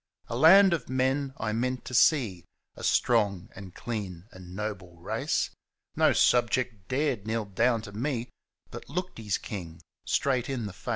A land of men I meant to see, A strong and clean and noble race — No subject dared kneel down to me, But looked his king straight in the face.